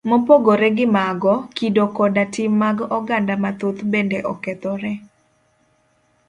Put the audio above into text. Mopogore gi mago, kido koda tim mag oganda mathoth bende okethore.